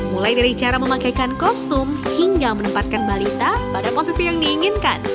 mulai dari cara memakaikan kostum hingga menempatkan balita pada posisi yang diinginkan